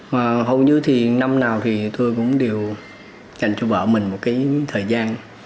mà hầu như thì năm nào thì tôi cũng đều dành cho vợ mình một cái thời gian